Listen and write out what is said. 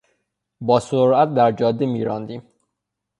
با سرعت در جاده میراندیم.